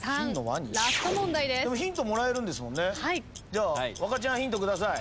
じゃあ若ちゃんヒント下さい。